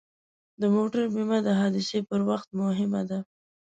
د موټر بیمه د حادثې پر وخت مهمه ده.